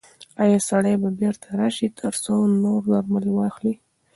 ایا سړی به بیرته راشي ترڅو نور درمل واخلي؟